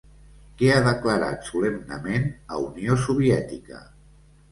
Què ha declarat solemnement a Unió Soviètica?